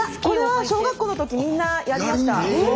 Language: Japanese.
これは、小学校のときみんなやりました。